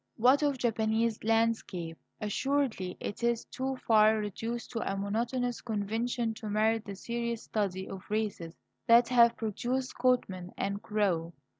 What of Japanese landscape? Assuredly it is too far reduced to a monotonous convention to merit the serious study of races that have produced Cotman and Corot.